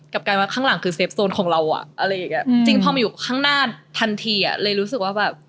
กลัวว่าข้างหลังคือเซฟโซนของเราจริงพอมาอยู่ข้างหน้าทันทีเลยรู้สึกว่าแบบ